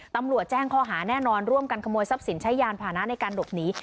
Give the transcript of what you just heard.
ตำรวจแจ้งข้อหาแน่นอนร่วมกันขโมยทรัพย์สินใช้ยานผ่านะในการหลบหนี